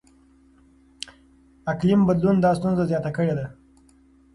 اقلیم بدلون دا ستونزه زیاته کړې ده.